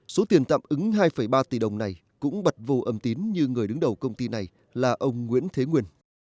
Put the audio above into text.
số tiền tạm ứng hai ba tỷ đồng này cũng bật vô âm tín như người đứng đầu công ty này là ông nguyễn thế nguyên